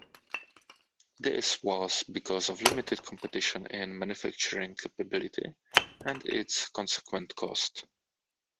This was because of limited competition in manufacturing capability and its consequent cost.